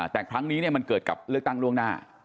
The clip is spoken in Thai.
แต่ครั้งนี้มันเกิดกับเลือกตั้งล่วงหน้า